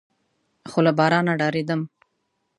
خو له بارانه ډارېدم.